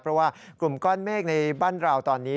เพราะว่ากลุ่มก้อนเมฆในบ้านเราตอนนี้